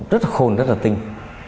rất là khôn rất là tinh